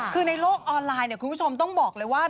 คือในโลกออนไลน์เนี่ยคุณผู้ชมต้องบอกเลยว่า